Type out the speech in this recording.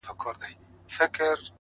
زما يتيـمي ارواح تـه غـــــوښـتې خـو ـ